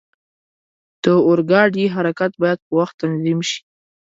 د اورګاډي حرکت باید په وخت تنظیم شي.